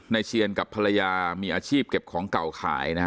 เชียนกับภรรยามีอาชีพเก็บของเก่าขายนะฮะ